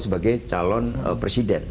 sebagai calon presiden